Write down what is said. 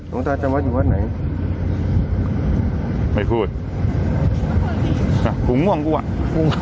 ลงทาจังหวัดอยู่วัดไหนไม่พูดอ่ะหุงห่วงกูอ่ะหุง